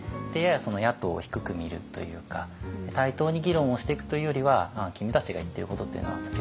やや野党を低く見るというか対等に議論をしていくというよりは「君たちが言ってることっていうのは間違ってるよね」